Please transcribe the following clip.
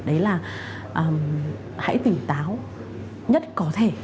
đấy là hãy tỉnh táo nhất có thể